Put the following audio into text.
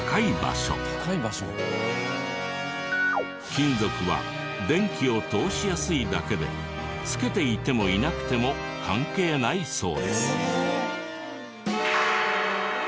金属は電気を通しやすいだけで着けていてもいなくても関係ないそうです。